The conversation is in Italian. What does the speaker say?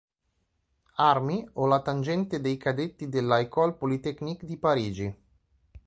Army o la "Tangente" dei cadetti della "École polytechnique" di Parigi.